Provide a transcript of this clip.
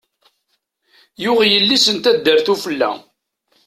Yuɣ yelli-s n taddart ufella.